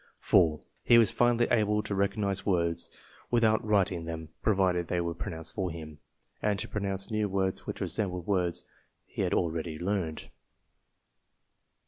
(4) He was finally able to recog nize words without writing them provided they were pronounced for him, and to pronounce new words which resembled words he had already learned.